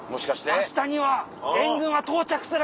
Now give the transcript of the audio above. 「明日には援軍は到着する！」。